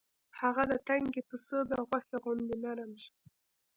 هغه د تنکي پسه د غوښې غوندې نرم شو.